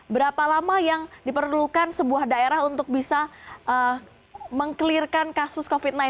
berapa lama yang diperlukan sebuah daerah untuk bisa meng clearkan kasus covid sembilan belas